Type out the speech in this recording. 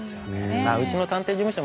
うちの探偵事務所もね